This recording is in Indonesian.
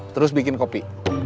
terus bikin kopi